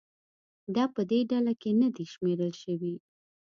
دا په دې ډله کې نه دي شمېرل شوي.